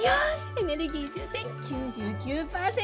エネルギー充電９９％！